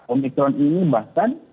omikron ini bahkan